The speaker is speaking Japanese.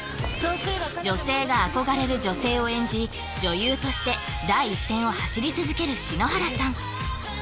女性が憧れる女性を演じ女優として第一線を走り続ける篠原さん